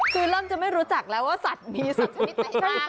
คือเริ่มจะไม่รู้จักแล้วว่าสัตว์มีสัตว์ชนิดไหนบ้าง